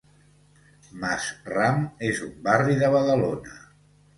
Mas Ram és un barri de Badalona.